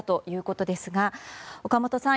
岡本さん